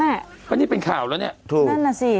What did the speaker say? เพราะนี่เป็นข่าวแล้วนี่นั่นสิ